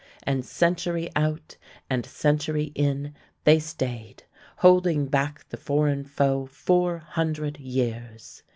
And century out and century in, they stayed, holding back the foreign foe four hundred years.